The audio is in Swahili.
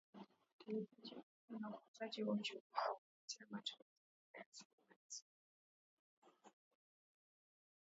Uendelezaji na ukuzaji wa uchumi kwa kupitia matumizi bora ya rasilimali zote